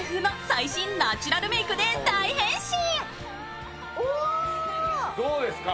最新ナチュラルメークで大変身。